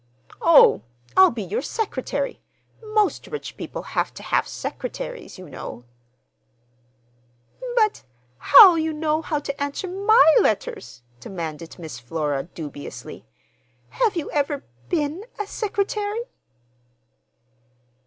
"Oh, I'll be your secretary. Most rich people have to have secretaries, you know." "But how'll you know how to answer my letters?" demanded Miss Flora dubiously. "Have you ever been—a secretary?"